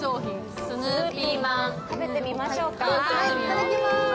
いただきます。